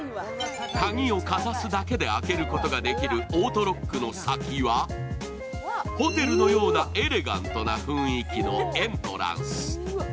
鍵をかざすだけで開けることのできるオートロックの先はホテルのようなエレガントな雰囲気のエントランス。